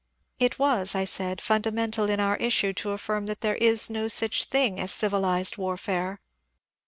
It was, I said, fundamental in oiir issue to affirm that there is no such thing as " civilized warfare."